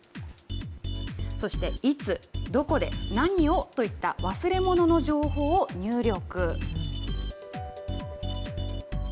そして、いつ、どこで、何をといった、忘れ物の情報を入力。